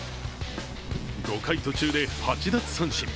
５回途中で８奪三振。